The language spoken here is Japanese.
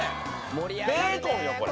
ベーコンよこれ！